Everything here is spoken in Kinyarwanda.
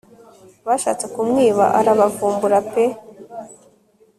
bashatse kumwiba arabavumbura pe